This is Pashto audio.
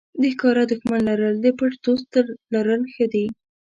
د ښکاره دښمن لرل د پټ دوست تر لرل ښه دي.